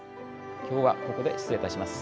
今日はここで失礼いたします。